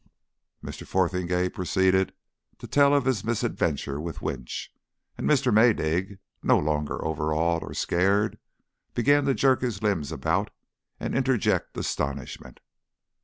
Mr. Fotheringay proceeded to tell of his misadventure with Winch, and Mr. Maydig, no longer overawed or scared, began to jerk his limbs about and interject astonishment.